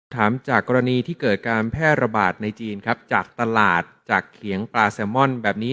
ถามจากกรณีที่เกิดการแพร่ระบาดในจีนครับจากตลาดจากเขียงปลาแซลมอนแบบนี้